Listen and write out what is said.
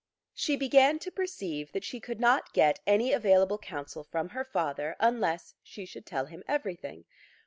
She began to perceive that she could not get any available counsel from her father unless she could tell him everything.